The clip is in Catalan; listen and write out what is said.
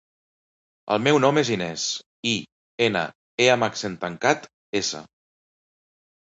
El meu nom és Inés: i, ena, e amb accent tancat, essa.